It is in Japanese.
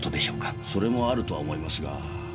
それもあるとは思いますが。